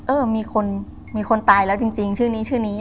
เออมีคนมีคนตายแล้วจริงชื่อนี้ชื่อนี้